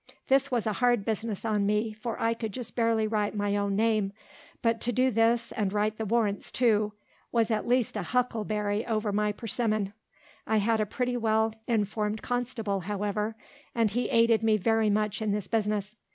This was a hard business on me, for I could just barely write my own name; but to do this, and write the warrants too, was at least a huckleberry over my persimmon. I had a pretty well informed constable, however; and he aided me very much in this business.